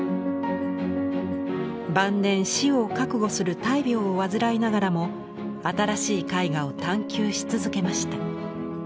晩年死を覚悟する大病を患いながらも新しい絵画を探求し続けました。